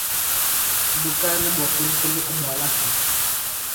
Bukari bwa ku nkuni abukawaki